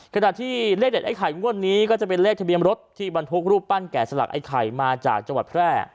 ขณะที่เลขเด็ดไอ้ไข่งวดนี้ก็จะเป็นเลขทะเบียนรถที่บรรทุกรูปปั้นแก่สลักไอ้ไข่มาจากจังหวัดแพร่